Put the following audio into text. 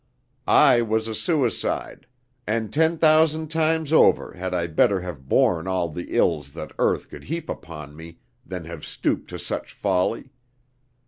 I was a suicide; and ten thousand times over had I better have borne all the ills that earth could heap upon me, than have stooped to such folly.